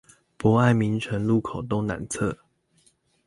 博愛明誠路口東南側